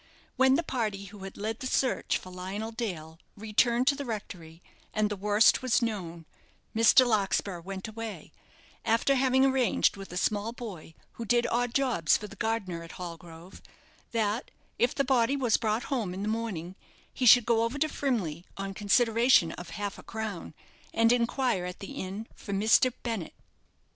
When the party who had led the search for Lionel Dale returned to the rectory, and the worst was known, Mr. Larkspur went away, after having arranged with a small boy, who did odd jobs for the gardener at Hallgrove, that if the body was brought home in the morning, he should go over to Frimley, on consideration of half a crown, and inquire at the inn for Mr. Bennett.